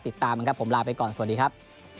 ติดตามกันครับผมลาไปก่อนสวัสดีครับ